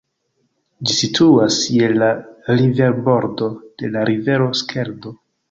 Ĝi situas je la riverbordo de la rivero Skeldo.